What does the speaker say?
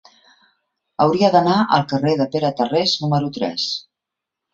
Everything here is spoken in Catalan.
Hauria d'anar al carrer de Pere Tarrés número tres.